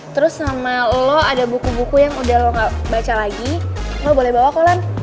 terus sama lo ada buku buku yang udah lo gak baca lagi lo boleh bawa kolan